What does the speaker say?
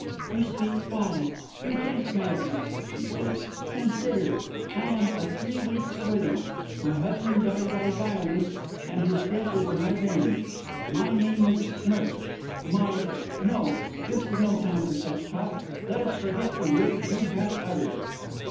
"You speak folly. You think madness," she said. "Consider! I am a three weeks' widow. My husband died by violence, and his death is not avenged. My name is smirched. My no! This is no time for such talk. Let us forget the words you have uttered."